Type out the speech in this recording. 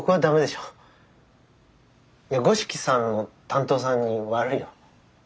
五色さんの担当さんに悪いよ。